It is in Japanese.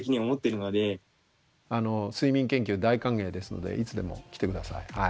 睡眠研究大歓迎ですのでいつでも来て下さい。